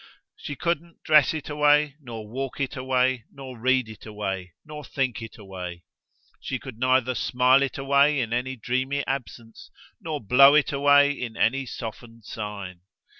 She couldn't dress it away, nor walk it away, nor read it away, nor think it away; she could neither smile it away in any dreamy absence nor blow it away in any softened sigh.